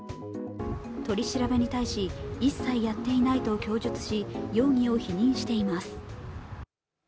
取り調べに対し、一切やっていないと供述し、容疑を否認しています。